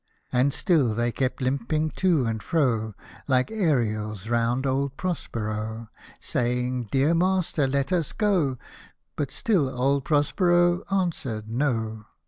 And still they kept limping to and fro, Like Ariels round old Prospero — Saying " Dear Master, let us go," But still old Prospero answered " No."